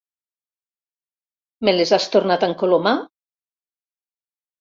Me les has tornat a encolomar?